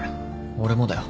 俺もだよ。